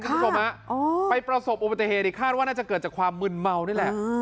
คุณผู้ชมฮะไปประสบอุบัติเหตุอีกคาดว่าน่าจะเกิดจากความมึนเมานี่แหละ